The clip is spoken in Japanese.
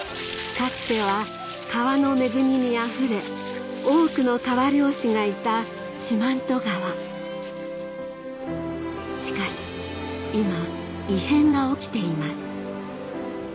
・かつては川の恵みにあふれ多くの川漁師がいた四万十川しかし今異変が起きています